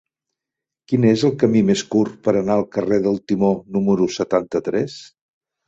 Quin és el camí més curt per anar al carrer del Timó número setanta-tres?